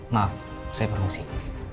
maaf saya perlu ngasih